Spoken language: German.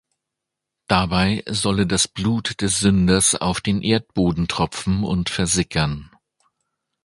Dabei solle das Blut des Sünders auf den Erdboden tropfen und versickern.